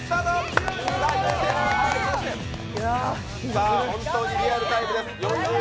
さあ、本当にリアルタイムです。